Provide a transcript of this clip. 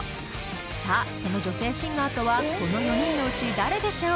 さあその女性シンガーとはこの４人のうち誰でしょう？